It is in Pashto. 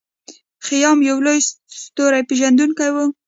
خیام یو لوی ستورپیژندونکی و.